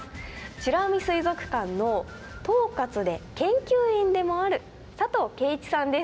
美ら海水族館の統括で研究員でもある佐藤圭一さんです。